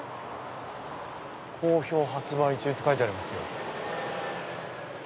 「好評発売中！」って書いてありますよ。